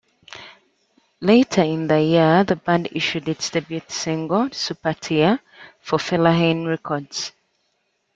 Later in the year, The band issued its debut single, "Supertear", for Fellaheen Records.